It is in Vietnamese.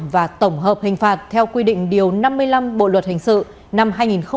và tổng hợp hình phạt theo quy định điều năm mươi năm bộ luật hình sự năm hai nghìn một mươi năm